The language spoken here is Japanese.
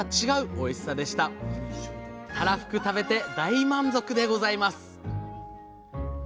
たらふく食べて大満足でございます！